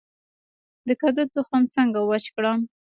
د کدو تخم څنګه وچ کړم؟